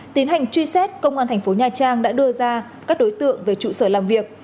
tiến hành truy xét công an thành phố nha trang đã đưa ra các đối tượng về trụ sở làm việc